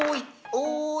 おい！